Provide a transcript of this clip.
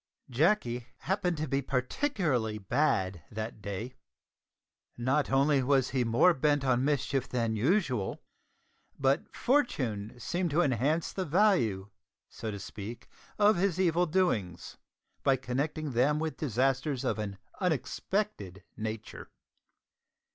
Jacky happened to be particularly bad that day. Not only was he more bent on mischief than usual, but Fortune seemed to enhance the value, (so to speak), of his evil doings, by connecting them with disasters of an unexpected nature.